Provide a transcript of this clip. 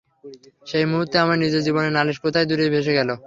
সেই মুহূর্তে আমার নিজের জীবনের নালিশ কোথায় দূরে ভেসে গেল।